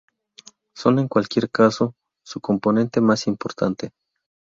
Son, en cualquier caso, su componente más importante.